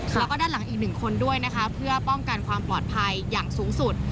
แล้วก็ด้านหลังอีกหนึ่งคนด้วยนะคะเพื่อป้องกันความปลอดภัยอย่างสูงสุด